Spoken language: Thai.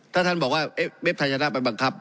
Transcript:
ถ้าท่านบอกว่าเว็บไทยชนะไปบังคับ